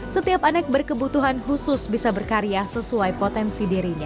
setiap anak berkebutuhan khusus bisa berkarya sesuai potensi dirinya